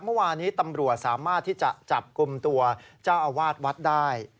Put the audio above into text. เมื่อวานี้ตำรวจสามารถที่จะจับกลุ่มตัวเจ้าอาวาสวัดได้